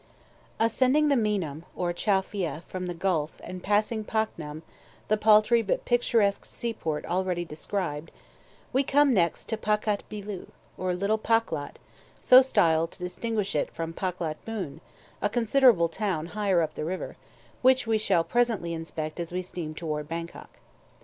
Ascending the Meinam (or Chow Phya) from the gulf, and passing Paknam, the paltry but picturesque seaport already described, we come next to Paklat Beeloo, or "Little Paklat," so styled to distinguish it from Paklat Boon, a considerable town higher up the river, which we shall presently inspect as we steam toward Bangkok.